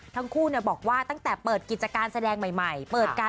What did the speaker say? ทั้งคู่บอกว่าตั้งแต่เปิดกิจการแสดงใหม่เปิดการ